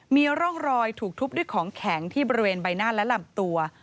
มีร่องรอยถูกทุบด้วยของแข็งที่บริเวณใบหน้าและลำตัว